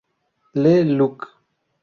Le Luc